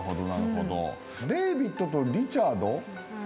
デイビッドとリチャード。